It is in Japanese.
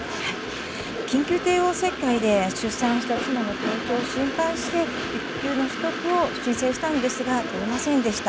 緊急帝王切開で出産した妻の体調を心配して育休の取得を申請したんですが取れませんでした。